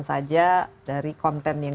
saja dari konten yang